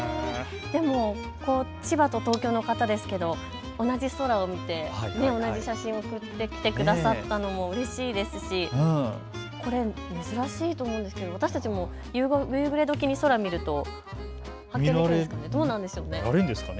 でも千葉と東京の方ですけれど同じ空を見て、同じ写真を送ってきてくださったのもうれしいですし、これ珍しいと思うんですけれど私たちも夕暮れ時に空を見るとどうなんでしょうか、見られるんですか。